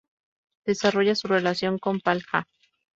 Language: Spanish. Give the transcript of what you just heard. Desarrolla su relación con Pal Ja.